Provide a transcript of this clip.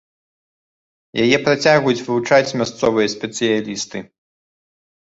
Яе працягваюць вывучаць мясцовыя спецыялісты.